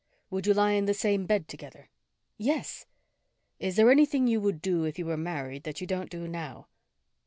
"Would you lie in the same bed together?" "Yes." "Is there anything you would do if you were married that you don't do now?"